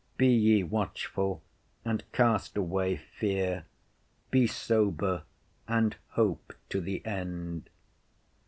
Be ye watchful and cast away fear, be sober and hope to the end.